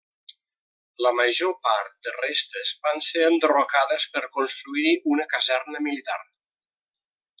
La major part de restes van ser enderrocades per construir-hi una caserna militar.